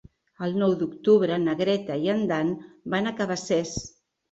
El nou d'octubre na Greta i en Dan van a Cabacés.